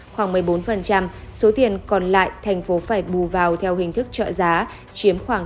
khoảng một mươi bốn số tiền còn lại thành phố phải bù vào theo hình thức trợ giá chiếm khoảng tám mươi năm